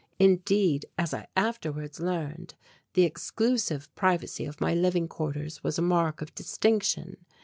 Indeed, as I afterwards learned, the exclusive privacy of my living quarters was a mark of distinction.